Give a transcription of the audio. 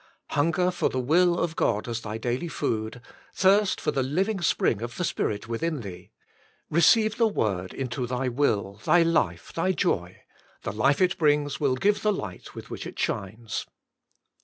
Hunger for the will of God as thy daily food; thirst for the living spring of the Spirit within thee ; receive the word into thy will, thy life, thy joy — ^the life it brings will give the light with which it shines.